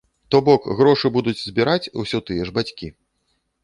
То бок грошы будуць збіраць усё тыя ж бацькі.